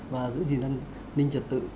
và giữ gìn an ninh trật tự